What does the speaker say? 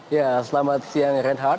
ya selamat siang red heart